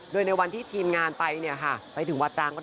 โดยในวันที่ทีมงานไปไปถึงวัตราง